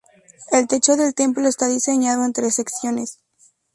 El techo del templo está diseñado en tres secciones.